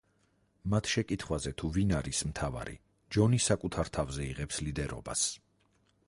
მათ შეკითხვაზე, თუ ვინ არის მთავარი, ჯონი საკუთარ თავზე იღებს ლიდერობას.